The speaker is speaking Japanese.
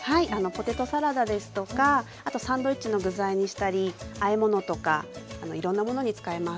ポテトサラダですとかあとサンドイッチの具材にしたりあえ物とかいろんなものに使えます。